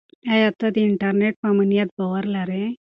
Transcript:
آیا ته د انټرنیټ په امنیت باور لرې؟